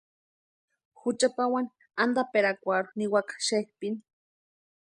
Jucha pawani antaperakwarhu niwaka xepʼini.